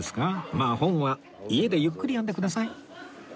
まあ本は家でゆっくり読んでください